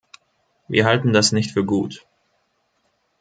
Wir halten das nicht für gut.